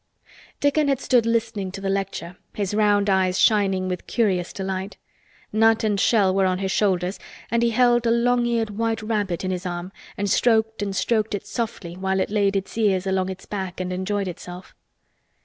Dickon had stood listening to the lecture, his round eyes shining with curious delight. Nut and Shell were on his shoulders and he held a long eared white rabbit in his arm and stroked and stroked it softly while it laid its ears along its back and enjoyed itself.